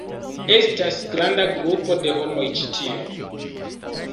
Estas granda grupo de homoj ĉi tie!